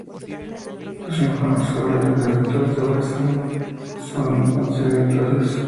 Los informes sobre los efectos sobre la salud son contradictorios.